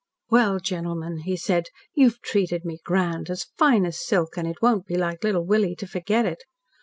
"Well, gentlemen," he said, "you've treated me grand as fine as silk, and it won't be like Little Willie to forget it.